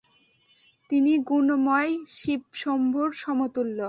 তিনি গুণময় শিবশম্ভুর সমতুল্য।